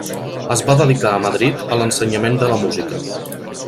Es va dedicar a Madrid a l'ensenyament de la música.